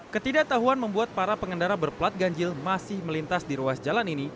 ketidaktahuan membuat para pengendara berplat ganjil masih melintas di ruas jalan ini